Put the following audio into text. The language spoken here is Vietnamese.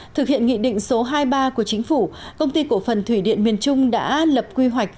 thực hiện nghị định số hai mươi ba của chính phủ công ty cổ phần thủy điện miền trung đã lập quy hoạch